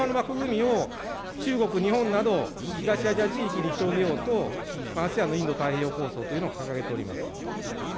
そしてこのＡＳＥＡＮ諸国はこの平和の枠組みを中国、日本など東アジア地域に広げようと、ＡＳＥＡＮのインド太平洋構想というのを掲げております。